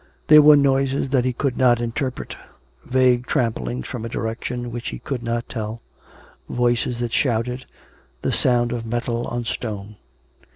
There were noises that he could not interpret — vague tramplings from a direction which he could not tell; voices that shouted; the sound of metal on stone.